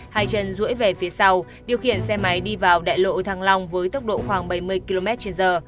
hai chân rưỡi về phía sau điều khiển xe máy đi vào đại lộ thăng long với tốc độ khoảng bảy mươi km trên giờ